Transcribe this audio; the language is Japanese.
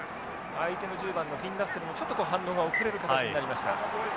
相手の１０番のフィンラッセルもちょっと反応が遅れる形になりました。